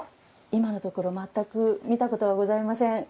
今のところ全く見たことがございません。